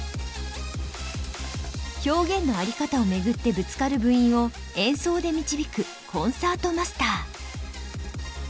表現のあり方を巡ってぶつかる部員を演奏で導くコンサートマスター。